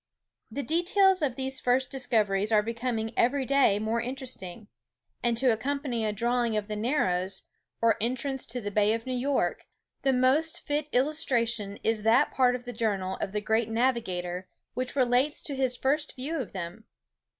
The details of these first discoveries are becoming every day more interesting: and to accompany a drawing of the Narrows, or entrance to the Bay of New York, the most fit illustration is that part of the journal of the great navigator which relates to his first view of them.